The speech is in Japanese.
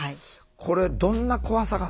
これどんな怖さがあったんですか？